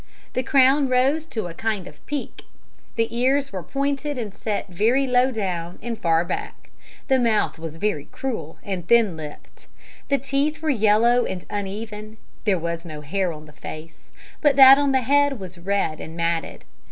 The crown rose to a kind of peak, the ears were pointed and set very low down and far back. The mouth was very cruel and thin lipped; the teeth were yellow and uneven. There was no hair on the face, but that on the head was red and matted.